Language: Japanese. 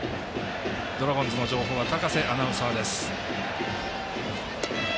ドラゴンズの情報は高瀬アナウンサーです。